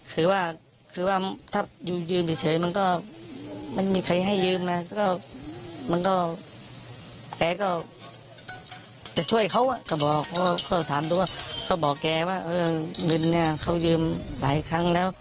คือว่าคือว่าถ้าอยู่ยืมเฉยมันก็ไม่มีใครให้ยืมนะ